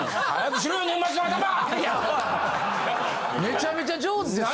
めちゃめちゃ上手ですよ。